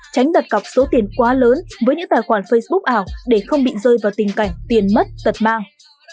tránh đặt cọc số tiền quá lớn với những tài khoản facebook ảo để không bị rơi vào tình cảnh tiền mất tật mang